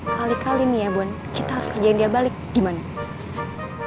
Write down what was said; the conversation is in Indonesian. kali kali nih ya bun kita harus kerjain dia balik gimana